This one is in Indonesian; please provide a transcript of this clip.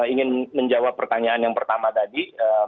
ingin menjawab pertanyaan yang pertama tadi